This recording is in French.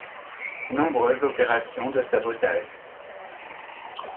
Nombreuses opérations de sabotage.